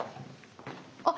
あっ！